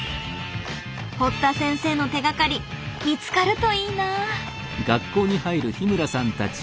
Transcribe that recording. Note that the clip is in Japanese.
堀田先生の手がかり見つかるといいな。